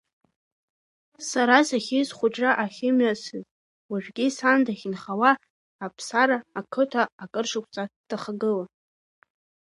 Сара сахьиз схәыҷра ахьымҩасыз, уажәгьы сан дахьынхауа Аԥсара ақыҭа акыршықәса дахагылан.